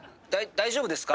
大丈夫ですか？